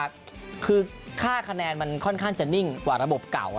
คือค่าคะแนนมันค่อนข้างจะนิ่งกว่าระบบเก่า